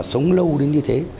sống lâu đến như thế